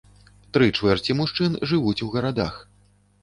Тры чвэрці мужчын жывуць у гарадах.